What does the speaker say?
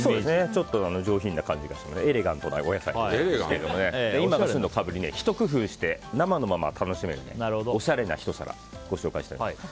上品な感じがしてエレガントなお野菜ですけど今が旬のカブにひと工夫して生のまま楽しめるおしゃれなひと皿をご紹介したいと思います。